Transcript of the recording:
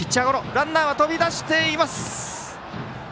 ランナー、飛び出しています！